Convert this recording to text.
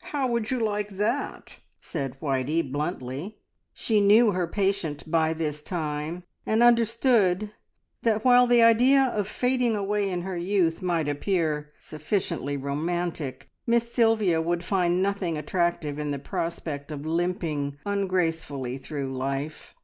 How would you like that?" said Whitey bluntly. She knew her patient by this time, and understood that while the idea of fading away in her youth might appear sufficiently romantic, Miss Sylvia would find nothing attractive in the prospect of limping ungracefully through life.